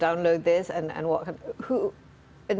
dan apakah ini digunakan